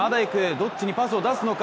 どっちにパスを出すのか？